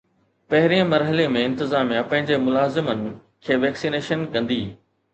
پهرين مرحلي ۾ انتظاميا پنهنجي ملازمن کي ويڪسينيشن ڪندي